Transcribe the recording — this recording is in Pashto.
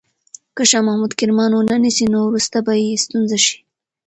که شاه محمود کرمان ونه نیسي، نو وروسته به یې ستونزه شي.